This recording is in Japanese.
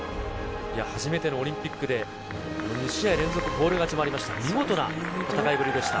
初めてのオリンピックで２試合連続フォール勝ちもありました、見事な戦いぶりでした。